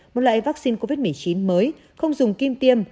một loại vắc xin covid một mươi chín mới không dùng kim tiêm